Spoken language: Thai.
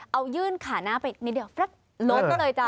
เอายื่นขาหน้าไปนิดเดียวลดก็เลยจ้